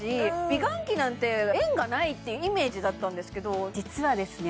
美顔器なんて縁がないってイメージだったんですけど実はですね